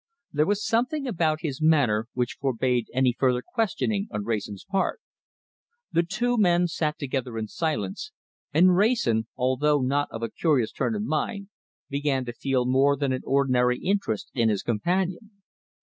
There was something about his manner which forbade any further questioning on Wrayson's part. The two men sat together in silence, and Wrayson, although not of a curious turn of mind, began to feel more than an ordinary interest in his companion.